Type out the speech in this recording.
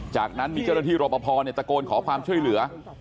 จากนั้นมีเจ้าหน้าที่รอปภตะโกนขอความช่วยเหลือ